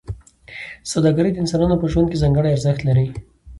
سوداګري د انسانانو په ژوند کې ځانګړی ارزښت لري.